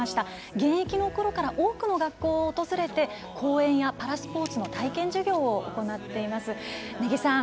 現役のころから、多くの学校を訪れて、講演やパラスポーツの体験授業を行っています。